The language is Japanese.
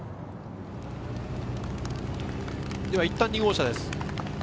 いったん２号車です。